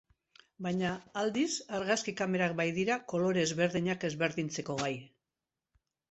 Baina, aldiz, argazki kamerak bai dira kolore ezberdinak ezberdintzeko gai.